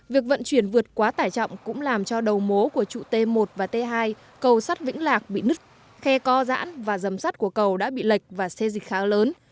việc vận chuyển vượt quá tải trọng cũng làm cho đầu mối của trụ t một và t hai cầu sắt vĩnh lạc bị nứt khe co giãn và dầm sắt của cầu đã bị lệch và xe dịch khá lớn